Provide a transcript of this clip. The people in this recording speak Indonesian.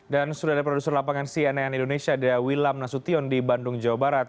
dan sudah ada produser lapangan cnn indonesia ada wilam nasution di bandung jawa barat